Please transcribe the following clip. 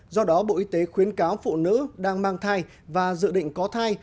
do đó bộ y tế khuyến cáo phụ nữ đang mang thai và dự định có thai